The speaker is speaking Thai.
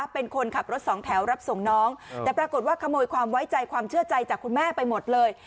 เป็นคนขับรถสองแถวรับส่งน้องแต่ปรากฏว่าขโมยความไว้ใจความเชื่อใจจากคุณแม่ไปหมดเลย